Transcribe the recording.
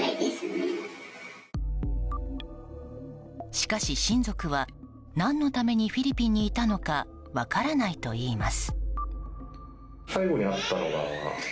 しかし、親族は何のためにフィリピンにいたのか分からないといいます。